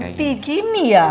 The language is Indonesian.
merah putih gini ya